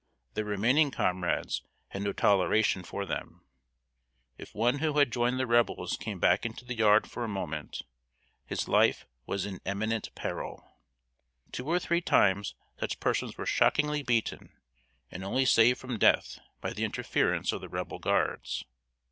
Their remaining comrades had no toleration for them. If one who had joined the Rebels came back into the yard for a moment, his life was in imminent peril. Two or three times such persons were shockingly beaten, and only saved from death by the interference of the Rebel guards.